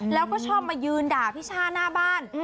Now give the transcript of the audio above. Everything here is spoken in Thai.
แล้วก็ชอบมายืนด่าพี่ช่าหน้าบ้าน